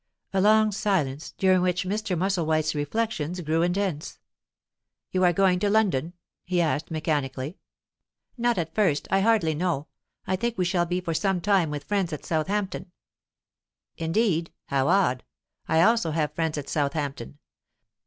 A long silence, during which Mr. Musselwhite's reflections grew intense. "You are going to London?" he asked mechanically. "Not at first. I hardly know. I think we shall be for some time with friends at Southampton." "Indeed? How odd! I also have friends at Southampton.